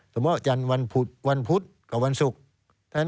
สมมุติว่าจันทร์วันพุธกับวันศุกร์